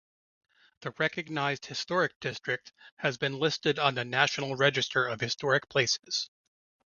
The recognized Historic District has been listed on the National Register of Historic Places.